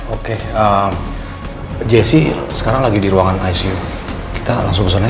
oke jessi sekarang lagi di ruangan icu kita langsung kesana